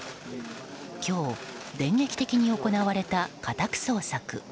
今日電撃的に行われた家宅捜索。